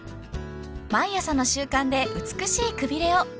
［毎朝の習慣で美しいくびれを。